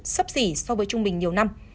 sấp xỉ so với trung bình nhiều năm